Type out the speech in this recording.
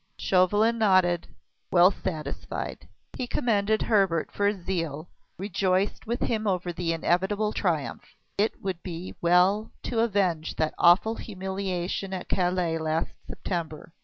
Chauvelin nodded, well satisfied. He commended Hebert for his zeal, rejoiced with him over the inevitable triumph. It would be well to avenge that awful humiliation at Calais last September.